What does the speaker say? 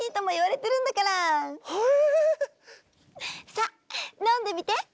さあ飲んでみて。